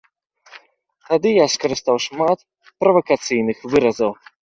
Тады я скарыстаў шмат правакацыйных выразаў.